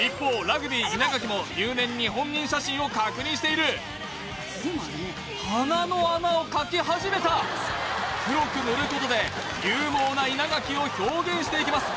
ラグビー稲垣も入念に本人写真を確認している鼻の穴を描き始めた黒く塗ることで勇猛な稲垣を表現していきます